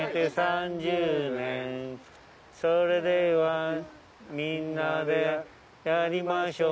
「それではみんなでやりましょう」